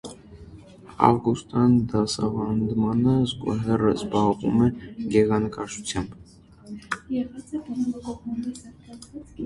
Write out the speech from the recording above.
Ավգուստան դասավանդմանը զուգահեռ զբաղվում է գեղանկարչությամբ։